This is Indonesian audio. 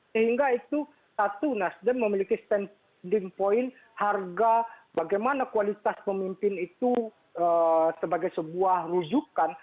sehingga itu satu nasdem memiliki standing point harga bagaimana kualitas pemimpin itu sebagai sebuah rujukan